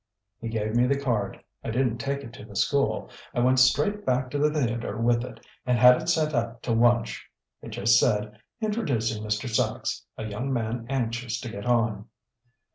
"He gave me the card. I didn't take it to the school. I went straight back to the theatre with it, and had it sent up to Wunch. It just said, 'Introducing Mr. Sachs, a young man anxious to get on.